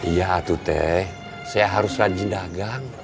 iya itu teh saya harus rajin dagang